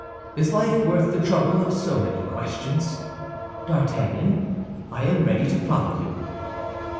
Is life worth the trouble of so many questions? D'Artagnan, I am ready to follow you."